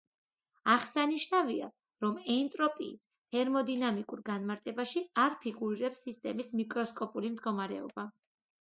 აღსანიშნავია, რომ ენტროპიის თერმოდინამიკურ განმარტებაში არ ფიგურირებს სისტემის მიკროსკოპული მდგომარეობა.